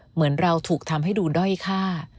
เหมือนเราถูกทำให้ดูด้อยค่า